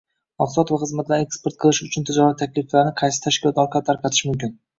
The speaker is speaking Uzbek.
Mahsulot va xizmatlarni eksport qilish uchun tijorat takliflarini qaysi tashkilotlar orqali tarqatish mumkin?